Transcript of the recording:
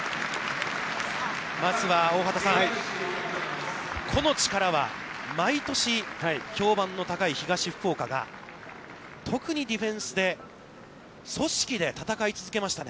まずは大畑さん、個の力は、毎年、評判の高い東福岡が特にディフェンスで、組織で戦い続けましたね。